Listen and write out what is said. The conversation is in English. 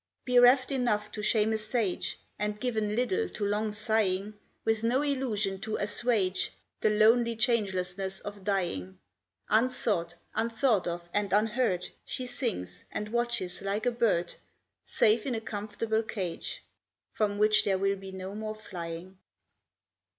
Bereft enough to shame a sage And given little to long sighing, With no illusion to assuage The lonely changelessness of dying, Unsought, unthought of, and unheard, She sings and watches like a bird, Safe in a comfortable cage From which there will be no more flying.